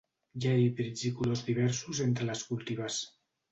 Hi ha híbrids i colors diversos entre les cultivars.